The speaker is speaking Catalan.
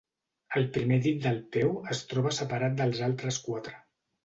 El primer dit del peu es troba separat dels altres quatre.